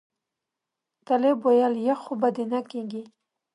طالب ویل یخ خو به دې نه کېږي.